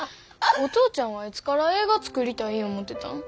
お父ちゃんはいつから映画作りたい思うてたん？